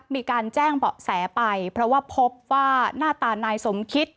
มีการแจ้งเบาะแสไปเพราะว่าพบว่าหน้าตานายสมคิด